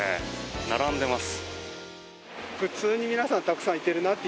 並んでます。